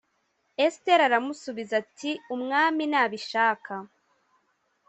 Esiteri aramusubiza ati Umwami nabishaka